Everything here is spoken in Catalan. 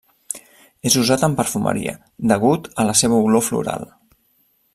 És usat en perfumeria, degut a la seva olor floral.